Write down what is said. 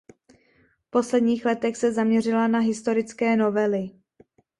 V posledních letech se zaměřila na historické novely.